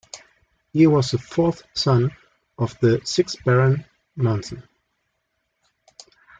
He was the fourth son of the sixth Baron Monson.